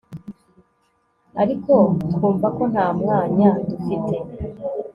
ariko twumva ko nta mwanya dufite